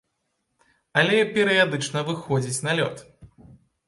Але перыядычна выходзіць на лёд.